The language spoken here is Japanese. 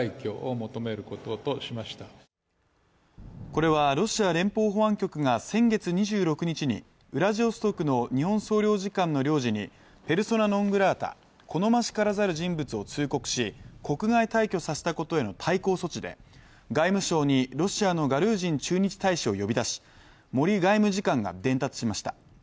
これはロシア連邦保安局が先月２６日にウラジオストクの日本総領事館の領事にペルソナ・ノン・グラータ＝好ましからざる人物を通告し国外退去させたことへの対抗措置で外務省にロシアのガルージン駐日大使を呼び出し森外務次官が伝達しました。